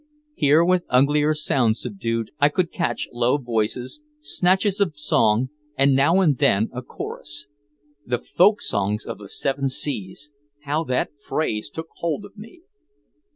Here with uglier sounds subdued I could catch low voices, snatches of song and now and then a chorus. "The folk songs of the Seven Seas!" How that phrase took hold of me!